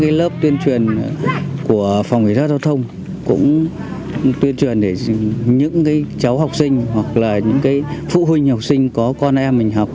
cái lớp tuyên truyền của phòng cảnh sát giao thông cũng tuyên truyền để những cháu học sinh hoặc là những phụ huynh học sinh có con em mình học